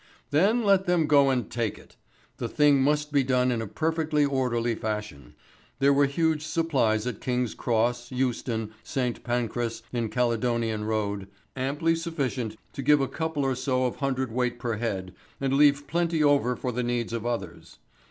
Then let them go and take it. The thing must be done in a perfectly orderly fashion. There were huge supplies at King's Cross, Euston, St. Pancras, in Caledonian Road, amply sufficient to give a couple or so of hundredweight per head and leave plenty over for the needs of others.